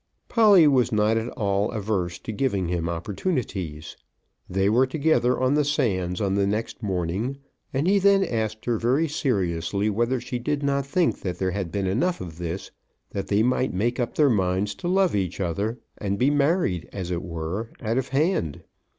Polly was not at all averse to giving him opportunities. They were together on the sands on the next morning, and he then asked her very seriously whether she did not think that there had been enough of this, that they might make up their minds to love each other, and be married as it were out of hand.